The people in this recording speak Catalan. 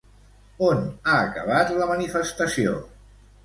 On ha acabat la manifestació?